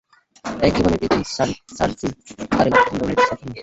এক জীবনের ইতি, সার্সি, আরেক জীবনের সূচনা।